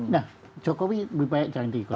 nah jokowi lebih baik jangan diikuti